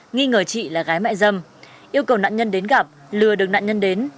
nghi ngờ chị là gái mại dâm yêu cầu nạn nhân đến gặp lừa được nạn nhân đến